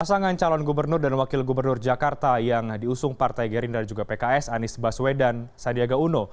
pasangan calon gubernur dan wakil gubernur jakarta yang diusung partai gerindra juga pks anies baswedan sandiaga uno